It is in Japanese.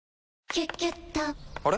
「キュキュット」から！